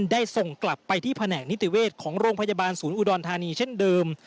ได้ส่งกลับไปที่แผนกนิติเวชของโรงพยาบาลศูนย์อุดรธานีเช่นเดิม